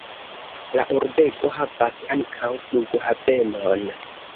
La urbego havas ankaŭ flughavenon.